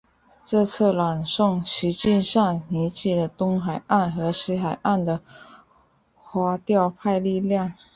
这次朗诵实际上凝聚了东海岸和西海岸的垮掉派力量。